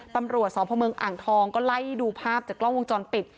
ตำรวจสพเมืองอ่างทองก็ไล่ดูภาพจากกล้องวงจรปิด